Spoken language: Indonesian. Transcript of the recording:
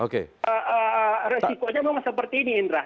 resikonya memang seperti ini indra